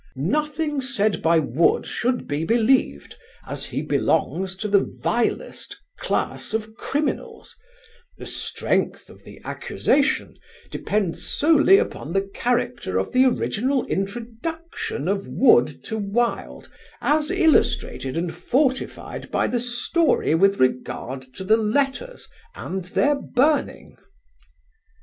"Nothing said by Wood should be believed, as he belongs to the vilest class of criminals; the strength of the accusation depends solely upon the character of the original introduction of Wood to Wilde as illustrated and fortified by the story with regard to the letters and their burning."